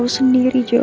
untuk memulai hidup baru